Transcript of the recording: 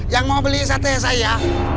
yang mau beli sate saya